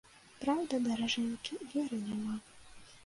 Праўда, даражэнькі, веры няма.